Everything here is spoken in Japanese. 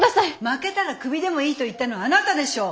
負けたらクビでもいいと言ったのはあなたでしょ？